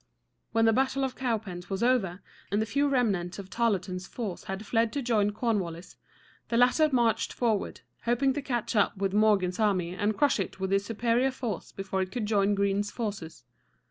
When the battle of Cowpens was over, and the few remnants of Tarleton's force had fled to join Cornwallis, the latter marched forward, hoping to catch up with Morgan's army and crush it with his superior force before it could join Greene's forces.